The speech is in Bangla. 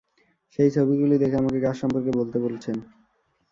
সেই ছবিগুলি দেখে আমাকে গাছ সম্পর্কে বলতে বলছেন।